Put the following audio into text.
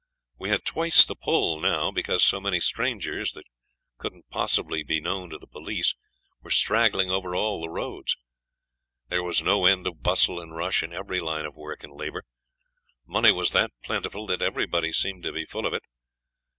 We had twice the pull now, because so many strangers, that couldn't possibly be known to the police, were straggling over all the roads. There was no end of bustle and rush in every line of work and labour. Money was that plentiful that everybody seemed to be full of it.